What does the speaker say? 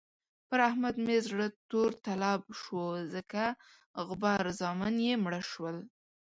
پر احمد مې زړه تور تلب شو ځکه غبر زامن يې مړه شول.